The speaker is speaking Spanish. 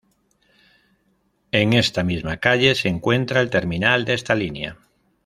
En esta misma calle se encuentra el terminal de esta línea.